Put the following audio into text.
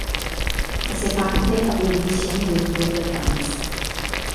Prese parte a due edizioni del Tour de France.